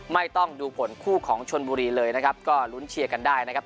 ไม่ต้องดูผลคู่ของชนบุรีเลยนะครับก็ลุ้นเชียร์กันได้นะครับ